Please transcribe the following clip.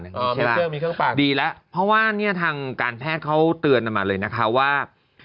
มีเครื่องปั่นดีแล้วเพราะว่าทางการแพทย์เขาเตือนมาเลยนะคะว่า